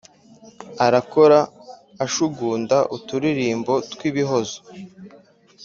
arakora ashugunda uturirimbo twibihozo